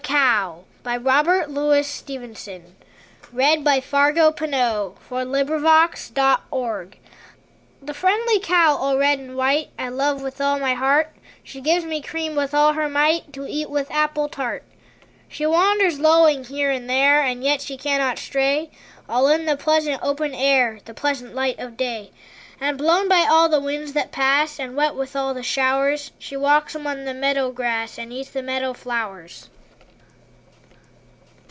Now that we've been round the village, Let's go home again. XXIII The Cow The friendly cow all red and white, I love with all my heart: She gives me cream with all her might, To eat with apple tart. She wanders lowing here and there, And yet she cannot stray, All in the pleasant open air, The pleasant light of day; And blown by all the winds that pass And wet with all the showers, She walks among the meadow grass And eats the meadow flowers.